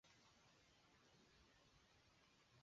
台湾珠宝艺术学院是一所珠宝艺术教育机构。